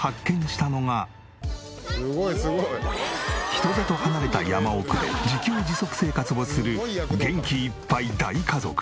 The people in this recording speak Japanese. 人里離れた山奥で自給自足生活をする元気いっぱい大家族。